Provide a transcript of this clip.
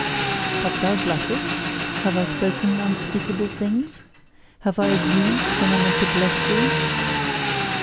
But thou blushest? Have I spoken unspeakable things? Have I abused, when I meant to bless thee?